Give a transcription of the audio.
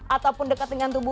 ataupun dekat dengan tubuh